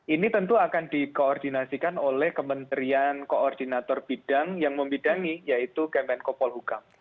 ini tentu akan dikoordinasikan oleh kementerian koordinator bidang yang membidangi yaitu kemenkopol hukam